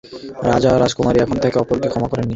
রাজা ও রাজকুমারী এখনও একে অপরকে ক্ষমা করেনি।